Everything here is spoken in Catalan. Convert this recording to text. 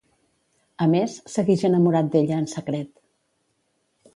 A més, seguix enamorat d'ella en secret.